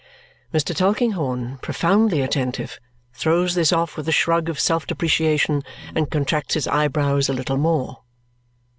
Mr. Tulkinghorn, profoundly attentive, throws this off with a shrug of self depreciation and contracts his eyebrows a little more.